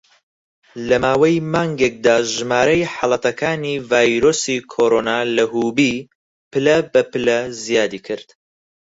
لە ماوەی مانگێکدا، ژمارەی حاڵەتەکانی ڤایرۆسی کۆرۆنا لە هوبی پلە بە پلە زیادی کرد.